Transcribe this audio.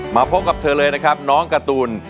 มาพบกับเธอเลยนะครับน้องการ์ตูน